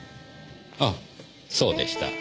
ああそうでした。